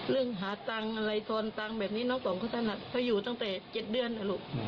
เรื่องหาตังค์อะไรทวนตังค์แบบนี้น้องต้องก็จะอยู่ตั้งแต่๗เดือนล่ะลูก